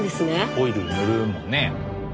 オイル塗るもんね。